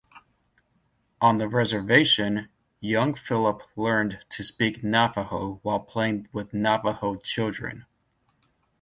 On the reservation, young Philip learned to speak Navajo while playing with Navajo children.